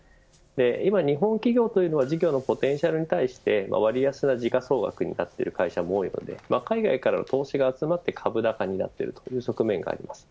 今、日本企業は事業のポテンシャルに対して割安な時価総額になっている会社も多いので海外からの投資が集まってきたという側面があります。